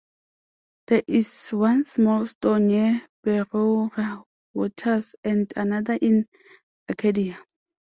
There is one small store near Berowra Waters and another in Arcadia.